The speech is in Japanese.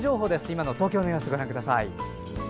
今の東京の様子、ご覧ください。